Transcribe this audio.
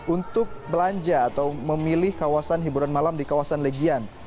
untuk belanja atau memilih kawasan hiburan malam di kawasan legian